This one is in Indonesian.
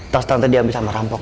tas tante diambil sama rampok